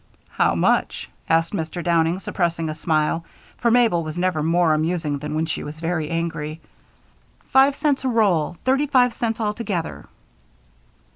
"How much?" asked Mr. Downing, suppressing a smile, for Mabel was never more amusing than when she was very angry. "Five cents a roll thirty five cents altogether."